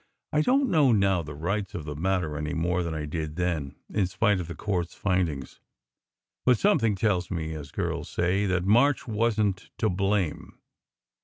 I don t know now the rights of the matter any more than I did then, in spite of the court s findings; but something tells me as girls say that March wasn t to blame.